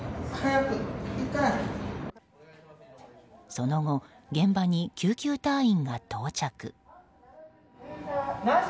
その後、現場に救急隊員が到着。